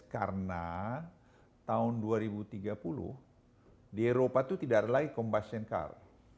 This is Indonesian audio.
karena tahun dua ribu tiga puluh di eropa itu tidak ada lagi combustion car